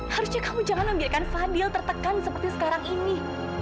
harusnya kamu jangan membiarkan fadil tertekan seperti sekarang ini